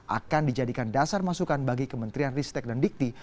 akan dijadikan dasar masukan bagi kementerian ristek dan dikti